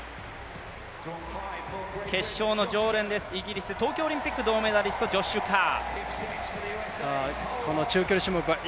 決勝の常連です、東京オリンピック銅メダリストのジョッシュ・カー。